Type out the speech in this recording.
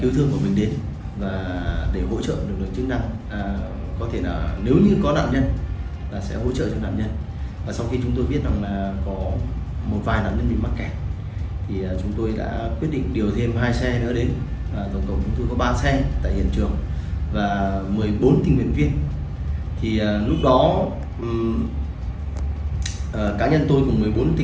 một mươi bốn thành viên thì lúc đó cá nhân tôi cùng một mươi bốn thành viên đã cùng lực lượng chức năng